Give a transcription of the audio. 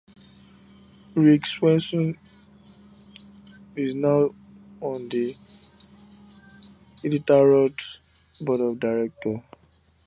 Rick Swenson is now on the Iditarod's board of directors.